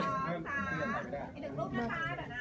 สวัสดีครับ